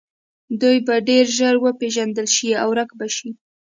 دوی به ډیر ژر وپیژندل شي او ورک به شي